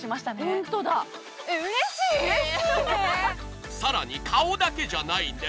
ホントださらに顔だけじゃないんです